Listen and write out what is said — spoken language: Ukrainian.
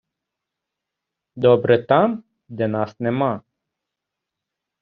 Добре там, де нас нема.